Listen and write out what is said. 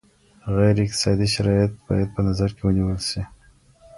غیر اقتصادي شرایط باید په نظر کي ونیول سي.